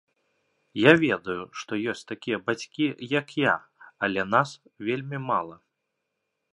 Я ведаю, што ёсць такія бацькі, як я, але нас вельмі мала.